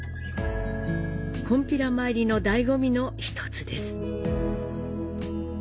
こんぴら参りの醍醐味の１つです。